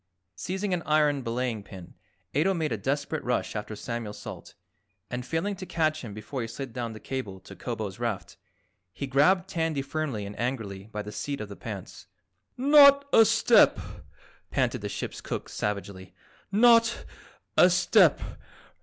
Seizing an iron belaying pin, Ato made a desperate rush after Samuel Salt, and failing to catch him before he slid down the cable to Kobo's raft, he grabbed Tandy firmly and angrily by the seat of the pants. "Not a step!" panted the ship's cook savagely. "Not a step!